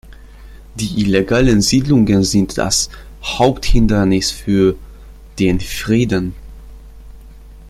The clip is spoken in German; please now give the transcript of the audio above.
Die illegalen Siedlungen sind das Haupthindernis für den Frieden.